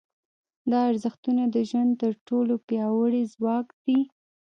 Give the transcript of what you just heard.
دا ارزښتونه د ژوند تر ټولو پیاوړي ځواک دي.